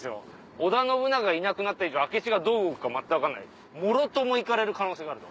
織田信長がいなくなって明智がどう動くか全く分かんないもろとも行かれる可能性がある。